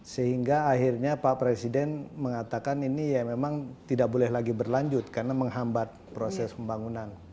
sehingga akhirnya pak presiden mengatakan ini ya memang tidak boleh lagi berlanjut karena menghambat proses pembangunan